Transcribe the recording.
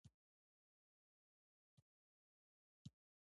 په افغانستان کې بزګان ډېر اهمیت لري.